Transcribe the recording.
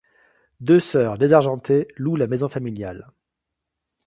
Deux sœurs désargentées louent la maison familiale.